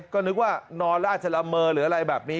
ก็นึกว่านอนแล้วอาจจะละเมอหรืออะไรแบบนี้